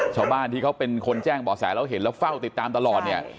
ชาวบ้านที่เขาเป็นคนแจ้งบ่อแสแล้วเห็นแล้วเฝ้าติดตามตลอดเนี่ย